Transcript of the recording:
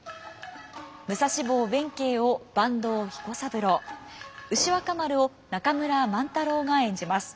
武蔵坊弁慶を坂東彦三郎牛若丸を中村萬太郎が演じます。